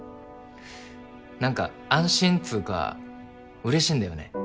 何か安心っつうかうれしいんだよね。